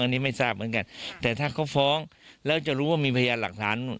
อันนี้ไม่ทราบเหมือนกันแต่ถ้าเขาฟ้องแล้วจะรู้ว่ามีพยานหลักฐาน